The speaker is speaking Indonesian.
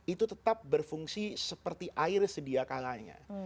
itu tetap berfungsi seperti air sediakalanya